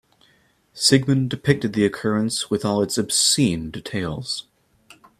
Sigmund depicted the occurrence with all its obscene details.